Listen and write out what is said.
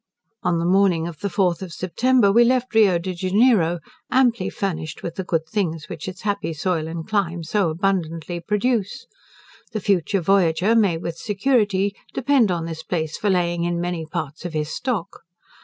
On the morning of the fourth of September we left Rio de Janeiro, amply furnished with the good things which its happy soil and clime so abundantly produce. The future voyager may with security depend on this place for laying in many parts of his stock.